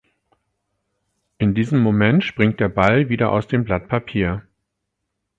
In diesem Moment springt der Ball wieder aus dem Blatt Papier.